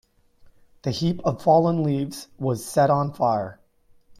The heap of fallen leaves was set on fire.